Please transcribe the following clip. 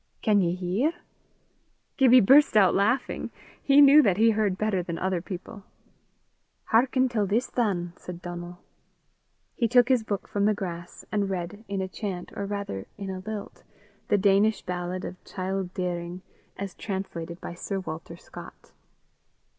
"Can ye hear?" Gibbie burst out laughing. He knew that he heard better than other people. "Hearken till this than," said Donal. He took his book from the grass, and read, in a chant, or rather in a lilt, the Danish ballad of Chyld Dyring, as translated by Sir Walter Scott.